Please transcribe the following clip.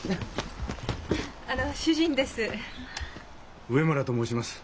あの主人です。